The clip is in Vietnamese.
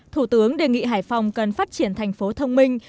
thủ tướng đề nghị hải phòng cần phát triển thành phố thông minh